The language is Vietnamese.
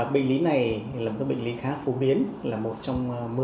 bệnh lý này là một bệnh lý khá phổ biến là một trong một mươi bệnh lý